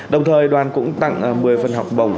đồng thời đoàn cũng tặng một mươi phần học bổng